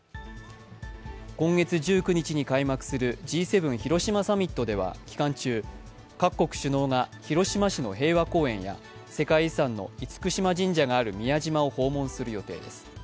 今月１９日に開幕するＧ７広島サミットでは期間中、各国首脳が広島市の平和公園や世界遺産の厳島神社のある宮島を訪問する予定です。